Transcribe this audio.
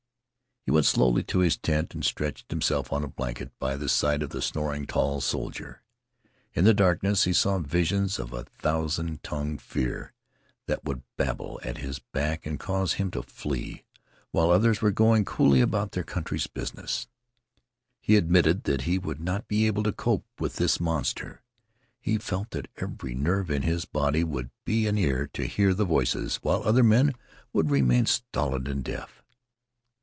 He went slowly to his tent and stretched himself on a blanket by the side of the snoring tall soldier. In the darkness he saw visions of a thousand tongued fear that would babble at his back and cause him to flee, while others were going coolly about their country's business. He admitted that he would not be able to cope with this monster. He felt that every nerve in his body would be an ear to hear the voices, while other men would remain stolid and deaf.